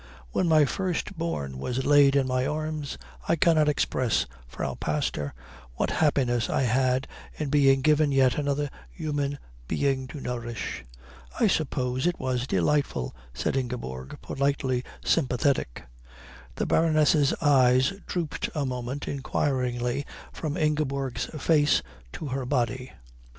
"When my first born was laid in my arms I cannot express, Frau Pastor, what happiness I had in being given yet another human being to nourish." "I suppose it was delightful," said Ingeborg, politely sympathetic. The Baroness's eyes drooped a moment inquiringly from Ingeborg's face to her body.